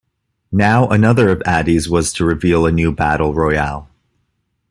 Now, another of Addes was to reveal a new battle royale.